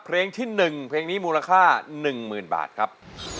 เปลี่ยนเพลงเก่งของคุณและข้ามผิดได้๑คำ